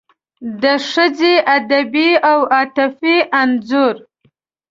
د ښځې ادبي او عاطفي انځور